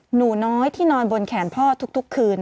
หนูน้อยที่นอนบนแขนพ่อทุกคืน